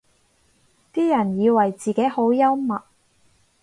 啲人以為自己好幽默